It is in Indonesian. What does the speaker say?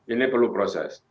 ini perlu proses